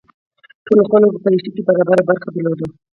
ټولو خلکو په یو شي کې برابره برخه درلوده.